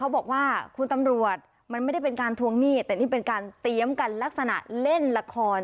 บอกว่าคุณตำรวจมันไม่ได้เป็นการทวงหนี้แต่นี่เป็นการเตรียมกันลักษณะเล่นละคร